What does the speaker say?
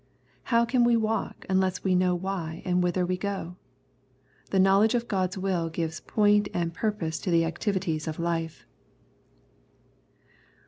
How can we walk unless we know why and whither we go ? The knowledge of God's will gives point and purpose to the activities of life.